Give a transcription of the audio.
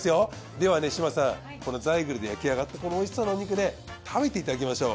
ではね志真さんこのザイグルで焼き上がったこのおいしそうなお肉ね食べていただきましょう。